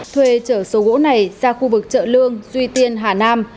thuê chở số gỗ này ra khu vực chợ lương duy tiên hà nam